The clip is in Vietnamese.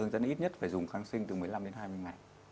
hướng dẫn ít nhất phải dùng kháng sinh từ một mươi năm hai mươi ngày